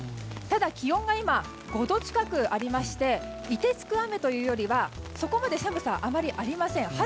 ただ、今気温が５度近くありまして凍てつく雨というよりはそこまで寒さはありません。